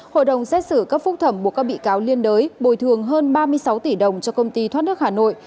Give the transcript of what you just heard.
hội đồng xét xử cấp phúc thẩm buộc các bị cáo liên đới bồi thường hơn ba mươi sáu tỷ đồng cho công ty thoát nước hà nội